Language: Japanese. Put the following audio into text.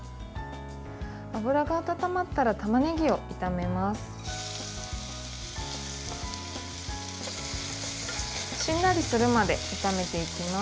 油が温まったらたまねぎを炒めます。